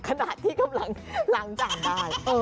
ขณะที่กำลังล้างจานได้